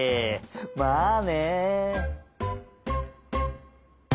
まあね！